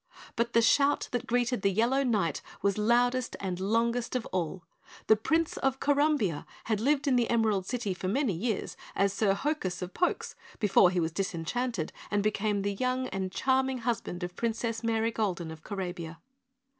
But the shout that greeted the Yellow Knight was loudest and longest of all. The Prince of Corumbia had lived in the Emerald City for many years as Sir Hokus of Pokes, before he was disenchanted and became the young and charming husband of Princess Marygolden of Corabia.